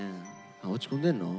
落ち込んでんの？